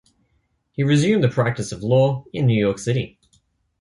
He resumed the practice of law in New York City.